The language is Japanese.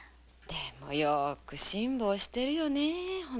でもよく辛抱してるよね。